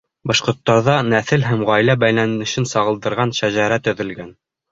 Башҡорттарҙа нәҫел һәм ғаилә бәйләнешен сағылдырған шәжәрә төҙөлгән.